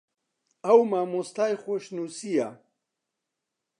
ئەو مامۆستای خۆشنووسییە